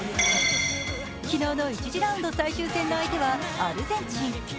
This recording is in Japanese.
昨日の１次ラウンド最終戦の相手はアルゼンチン。